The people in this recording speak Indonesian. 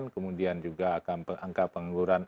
kemudian juga angka pengangguran